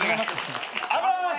危ない！